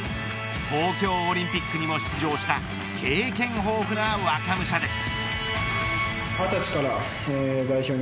東京オリンピックにも出場した経験豊富な若武者です。